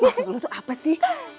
maksud lo tuh apa sih